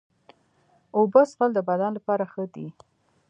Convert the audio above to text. اوبه څښل د بدن لپاره ښه دي.